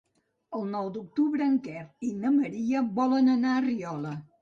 El nou d'octubre en Quer i na Maria volen anar a Riola.